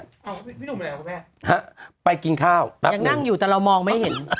พี่หนุ่มไปไหนแล้วครับแพทย์ฮะไปกินข้าวยังนั่งอยู่แต่เรามองไม่เห็น